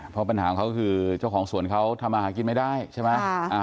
เพราะปัญหาของเขาคือเจ้าของสวนเขาทำอาหารกินไม่ได้ใช่ไหม